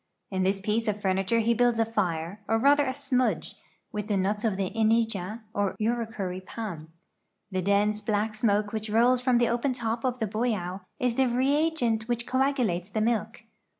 In this piece of fur niture he builds a fire, or rather a smudge, with the nuts of the inija or urucur}' palm. The dense, black smoke which rolls from the open top of the boido is the reagent which coagulates the milk.